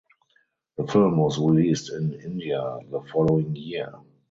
The film was released in India the following year.